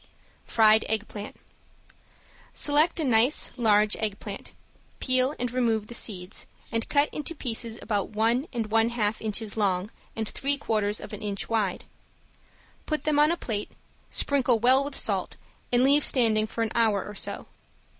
~FRIED EGGPLANT~ Select a nice large eggplant, peel, remove the seeds, and cut into pieces about one and one half inches long and three quarters of an inch wide. Put them on a plate, sprinkle well with salt and leave standing for an hour or so.